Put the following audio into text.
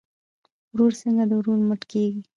ورور څنګه د ورور مټ کیږي؟